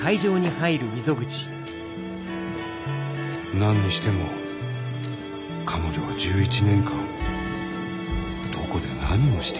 何にしても彼女は１１年間どこで何をしていたのか？